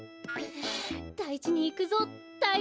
だいじにいくぞだいじに！